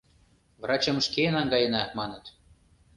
— «Врачым шке наҥгаена», — маныт.